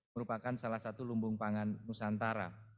merupakan salah satu lumbung pangan nusantara